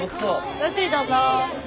ごゆっくりどうぞ。